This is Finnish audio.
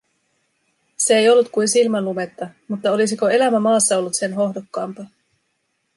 Se ei ollut kuin silmänlumetta… Mutta olisiko elämä maassa ollut sen hohdokkaampaa?